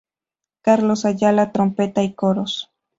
Carlos Ayala: Trompeta y Coros.